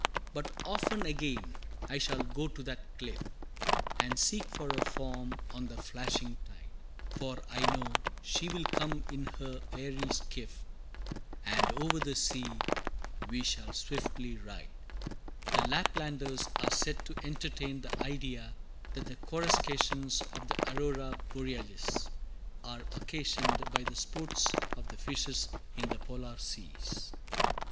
But often again I shall go to that cliff, And seek for her form on the flashing tide, For I know she will come in her airy skiff, And over the sea we shall swiftly ride! [Footnote A: The Laplanders are said to entertain the idea that the coruscations of the Aurora Borealis, are occasioned by the sports of the fishes in the polar seas.